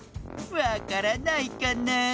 わからないかなあ？